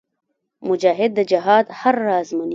مجاهد د جهاد هر راز منې.